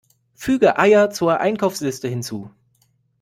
Füge Eier zur Einkaufsliste hinzu!